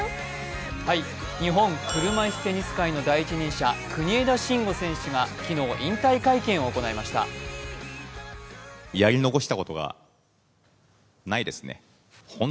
日本車いすテニス界の第一人者、国枝慎吾選手選手が昨日引退会見を行いました。